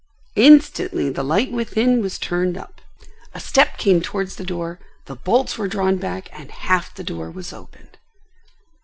Instantly the light within was turned up. A step came towards the door, the bolts were drawn back and half the door was opened.